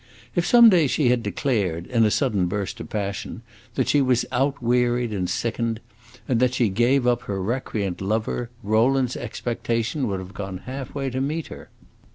If some day she had declared, in a sudden burst of passion, that she was outwearied and sickened, and that she gave up her recreant lover, Rowland's expectation would have gone half way to meet her.